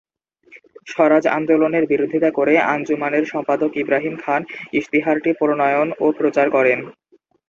স্বরাজ আন্দোলনের বিরোধিতা করে আঞ্জুমানের সম্পাদক ইবরাহিম খান ইশতেহারটি প্রণয়ন ও প্রচার করেন।